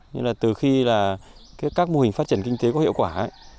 như là từ khi là các mô hình phát triển kinh tế có hiệu quả ấy